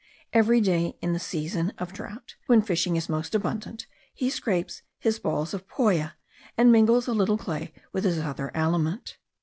Every day in the season of drought, when fishing is most abundant, he scrapes his balls of poya, and mingles a little clay with his other aliment.